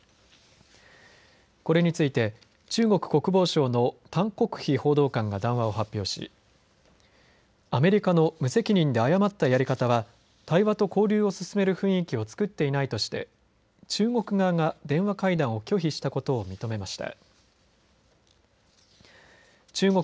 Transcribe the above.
これについて中国国防省の譚克非報道官が談話を発表しアメリカの無責任で誤ったやり方は対話と交流を進める雰囲気を作っていないとして中国側が電話会談を拒否したことを認めました。